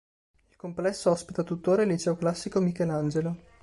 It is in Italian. Il complesso ospita tuttora il Liceo classico Michelangelo.